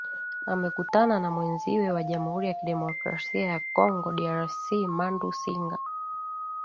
amekutana na mwenziwe wa jamhuri ya kidemokrasi ya congo drc mandu singa